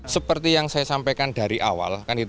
seperti yang saya sampaikan dari awal